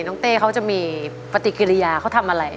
เต้เขาจะมีปฏิกิริยาเขาทำอะไร